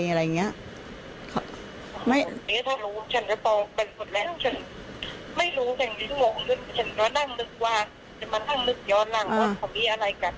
ไม่ไม่รู้ฉันก็ไม่รู้ฉันก็นั่งนึกว่าจะมานั่งนึกย้อนหลังว่าของมีอะไรกันเนี้ย